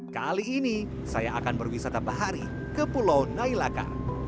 kali ini saya akan berwisata bahari ke pulau nailaka